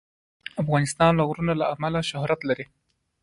افغانستان د غرونه له امله شهرت لري.